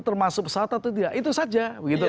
termasuk pesawat atau tidak itu saja